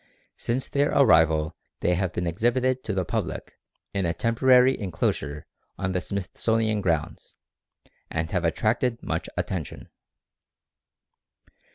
Since their arrival they have been exhibited to the public in a temporary inclosure on the Smithsonian Grounds, and have attracted much attention.